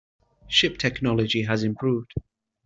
Ship technology has improved.